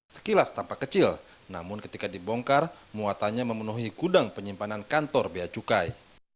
sekilas tampak kecil namun ketika dibongkar muatannya memenuhi kudang penyimpanan kantor biaya cukai